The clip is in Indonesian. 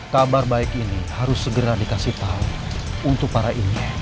kabar baik ini harus segera dikasih tahu untuk para ibu